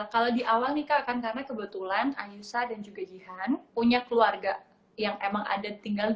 kalau di awal nikah akan karena kebetulan ayusa dan juga jihan punya keluarga yang emang ada tinggal